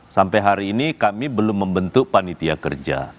sampai hari ini kami belum membentuk panitia kerja